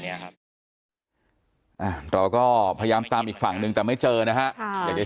เนี้ยครับอ่าเราก็พยายามตามอีกฝั่งหนึ่งแต่ไม่เจอนะฮะค่ะอยากจะ